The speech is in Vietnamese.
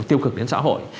tiêu cực đến xã hội